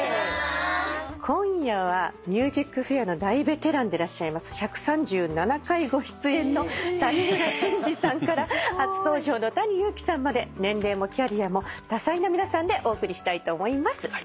今夜は『ＭＵＳＩＣＦＡＩＲ』の大ベテランでいらっしゃいます１３７回ご出演の谷村新司さんから初登場のＴａｎｉＹｕｕｋｉさんまで年齢もキャリアも多彩な皆さんでお送りしたいと思います。